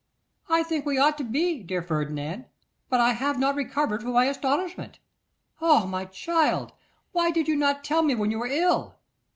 'I think we ought to be, dear Ferdinand. But I have not recovered from my astonishment. Ah, my child, why did you not tell me when you were ill?